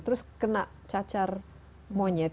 terus kena cacar monyet